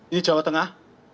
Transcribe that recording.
ini jawa tengah